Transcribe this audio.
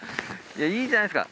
いいじゃないですか。